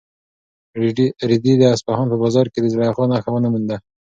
رېدي د اصفهان په بازار کې د زلیخا نښه ونه مونده.